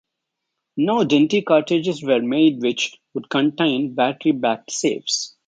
No Dendy cartridges were made which would contain battery-backed saves.